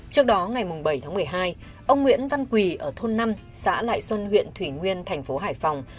trước đó ngày bảy tháng một mươi hai ông nguyễn văn quỳ ở thôn năm xã lại xuân huyện thủy nguyên thành phố hải phòng